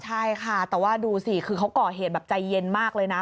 ใช่ค่ะแต่ว่าดูสิคือเขาก่อเหตุแบบใจเย็นมากเลยนะ